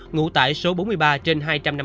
ngủ tại số bốn mươi ba trên hai trăm năm mươi bảy